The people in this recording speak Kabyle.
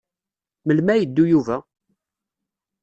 Melmi ad yeddu Yuba?